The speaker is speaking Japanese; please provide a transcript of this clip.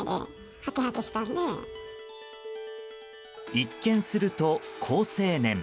一見すると好青年。